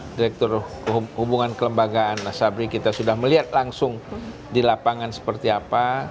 direktur hubungan kelembagaan nasabri kita sudah melihat langsung di lapangan seperti apa